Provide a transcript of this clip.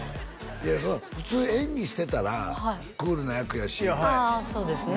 いやその普通演技してたらクールな役やしあそうですね